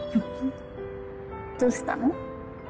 どうしたの？